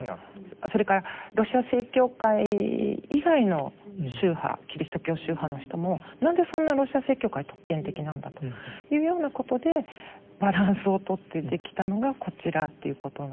それからロシア正教会以外の宗派キリスト教宗派の人も何でそんなロシア正教会特権的なんだというようなことでバランスをとってできたのがこちらということなんですよね。